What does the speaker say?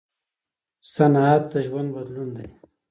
صنعت د ژوند بدلون دی.